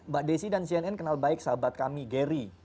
mbak desi dan cnn kenal baik sahabat kami gary